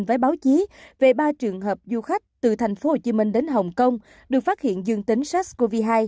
với báo chí về ba trường hợp du khách từ thành phố hồ chí minh đến hồng kông được phát hiện dương tính sars cov hai